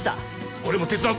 俺も手伝う！